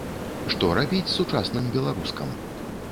Што рабіць сучасным беларускам?